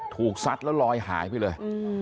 ซัดแล้วลอยหายไปเลย